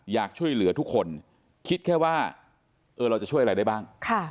อยากช่วยเหลือทุกคนคิดแค่ว่าเราจะช่วยอะไรได้บ้าง